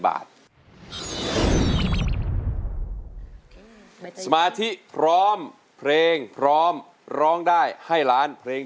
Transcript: ใบเตยเลือกใช้ได้๓แผ่นป้ายตลอดทั้งการแข่งขัน